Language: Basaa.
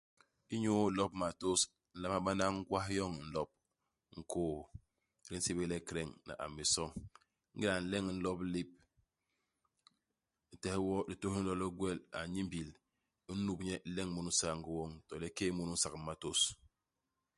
Inyu ilop matôs, u nlama bana ngwas-yoñ-nlop, nkôô di nsébél le Kreñ, ni hameçon. Ingéda u nleñ nlop i lép, u tehe wo, litôs li nlo li gwel, a n'nimbil, u n'nup nye, u leñ munu i nsaangô woñ, to le u kéy munu i nsak u matôs.